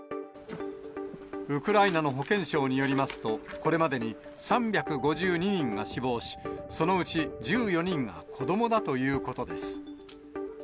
ウクライナの保健省によりますと、これまでに３５２人が死亡し、そのうち１４人が子どもだということです。